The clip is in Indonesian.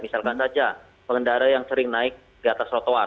misalkan saja pengendara yang sering naik di atas trotoar